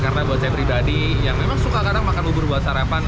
karena buat saya pribadi yang memang suka kadang makan bubur buat sarapan